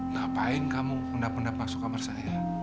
ngapain kamu pendap pendap masuk kamar saya